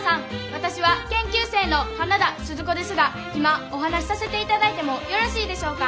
私は研究生の花田鈴子ですが今お話しさせていただいてもよろしいでしょうか。